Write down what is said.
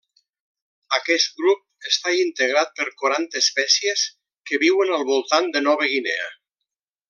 Aquest grup està integrat per quaranta espècies que viuen al voltant de Nova Guinea.